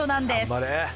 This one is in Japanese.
頑張れ！